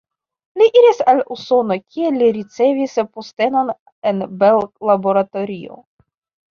Li iris al Usono, kie li ricevis postenon en Bell Laboratorio.